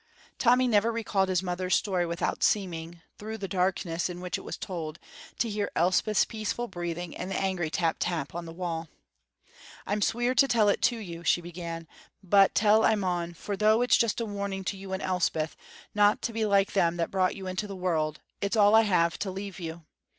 Tommy never recalled his mother's story without seeming, through the darkness in which it was told, to hear Elspeth's peaceful breathing and the angry tap tap on the wall. "I'm sweer to tell it to you," she began, "but tell I maun, for though it's just a warning to you and Elspeth no' to be like them that brought you into the world, it's all I have to leave you.